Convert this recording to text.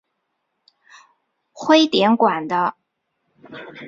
徽典馆的。